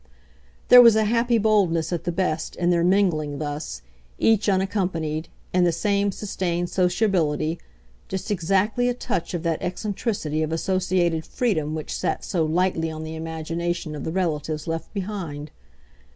There was a happy boldness, at the best, in their mingling thus, each unaccompanied, in the same sustained sociability just exactly a touch of that eccentricity of associated freedom which sat so lightly on the imagination of the relatives left behind.